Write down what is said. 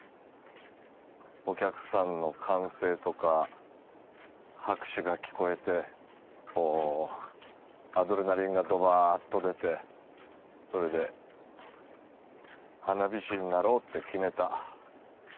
お客さんの歓声とか拍手が聞こえてこうアドレナリンがドバーッと出てそれで花火師になろうって決めた。